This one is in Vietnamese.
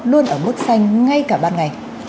luôn ở mức xanh ngay cả ban ngày